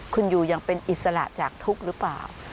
คุณอยู่อย่างเป็นอิสระจากทุกข์หรือเปล่า